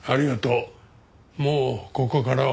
もうここからは。